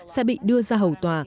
sẽ bị đưa ra hầu tòa